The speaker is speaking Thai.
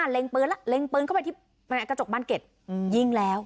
เล็งเปิ้ลแล้วเล็งเปิ้ลเข้าไปที่กระจกบานเก็ดอืมยิงแล้ว